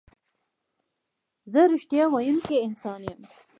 زه رښتیا ویونکی انسان یم.